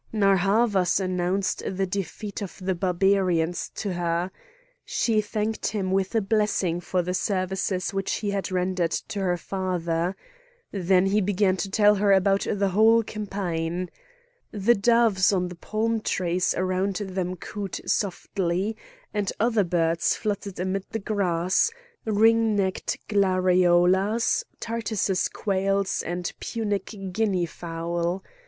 Narr' Havas announced the defeat of the Barbarians to her. She thanked him with a blessing for the services which he had rendered to her father. Then he began to tell her about the whole campaign. The doves on the palm trees around them cooed softly, and other birds fluttered amid the grass: ring necked glareolas, Tartessus quails and Punic guinea fowl.